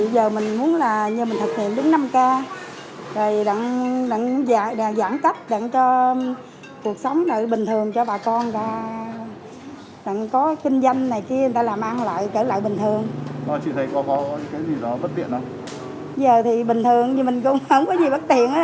giờ mình muốn là nhờ mình thực hiện đến năm ca